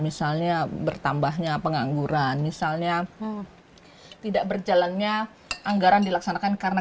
misalnya bertambahnya pengangguran misalnya tidak berjalannya anggaran dilaksanakan karena